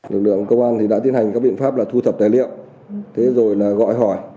lực lượng công an đã tiến hành các biện pháp là thu thập tài liệu rồi gọi hỏi